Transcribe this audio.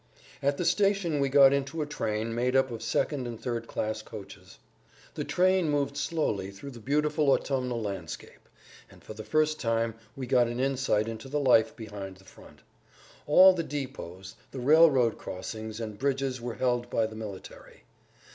At the station we got into a train made up of second and third class coaches. The train moved slowly through the beautiful autumnal landscape, and for the first time we got an insight into the life behind the front. All the depots, the railroad crossings and bridges were held by the military.